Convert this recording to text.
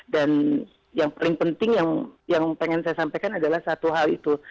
dan yang paling penting yang ingin saya sampaikan adalah satu hal itu